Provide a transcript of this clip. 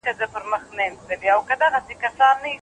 ځمکه په خپله محور څرخي.